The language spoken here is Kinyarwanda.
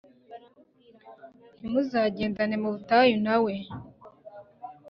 ntimuzagendane mu butayu nawe